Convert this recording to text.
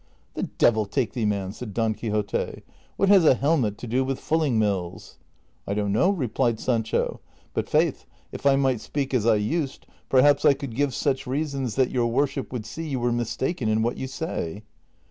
'' The devil take thee, man," said Don Quixote ;" what has a helmet to do with fulling mills ?" "I don't know," replied Sancho, "but, faith, if I might speak as I used, perhaps I could give such reasons that your worship would see you were mistaken in what you say."